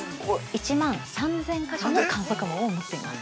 ◆１万３０００カ所の観測網を持っています。